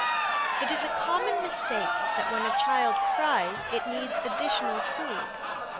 It is a common mistake that when a child cries it needs additional food.